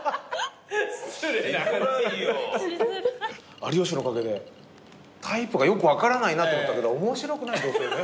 有吉のおかげでタイプがよく分からないなと思ったけど面白くない女性ね。